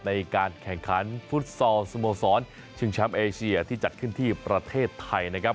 ในการแข่งขันฟุตซอลแข่งสมสรรค์ที่จัดขึ้นที่ประเทศไทยนะครับ